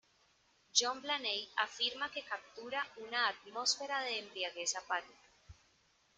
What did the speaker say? John Blaney afirma que captura "una atmósfera de embriaguez apática".